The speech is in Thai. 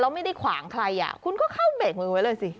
ไม่ได้ขวางใครอ่ะคุณก็เข้าเบรกมือไว้เลยสิ